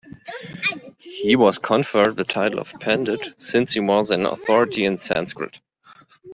He was conferred the title of Pandit since he was an authority in Sanskrit.